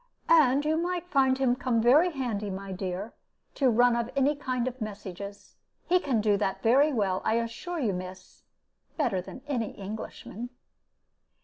"And you might find him come very handy, my dear, to run of any kind of messages. He can do that very well, I assure you, miss better than any Englishman."